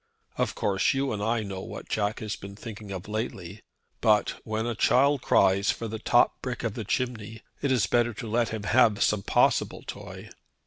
Of course you and I know what Jack has been thinking of lately. But when a child cries for the top brick of the chimney, it is better to let him have some possible toy.